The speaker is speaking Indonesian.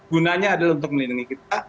gunanya adalah untuk melindungi kita